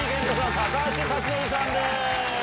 高橋克典さんです。